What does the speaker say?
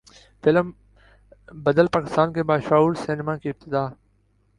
film بدل پاکستان کے باشعور سینما کی ابتدا